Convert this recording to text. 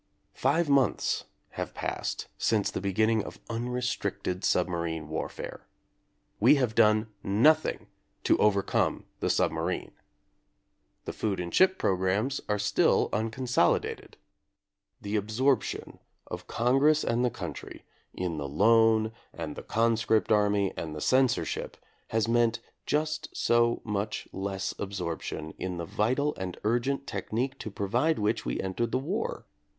Five months have passed since the be ginning of unrestricted submarine warfare. We have done nothing to overcome the submarine. The food and ship programmes are still uncon solidated. The absorption of Congress and the country in the loan and the conscript army and the censorship has meant just so much less absorp tion in the vital and urgent technique to provide which we entered the war.